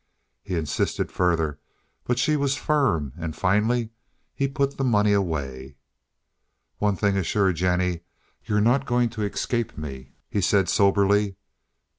He insisted further, but she was firm, and finally he put the money away. "One thing is sure, Jennie, you're not going to escape me," he said soberly.